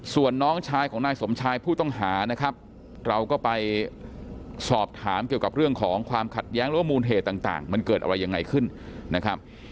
ส่วนน้องชายของนายสมชายผู้ต้องหานะครับเราก็ไปสอบถามเกี่ยวกับเรื่องของความขัดแย้งหรือว่ามูลเหตุต่างมันเกิดอะไรยังไงขึ้นนะครับ